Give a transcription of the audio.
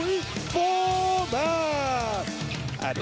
สวัสดีครับทุกคน